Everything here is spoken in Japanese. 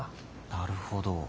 なるほど。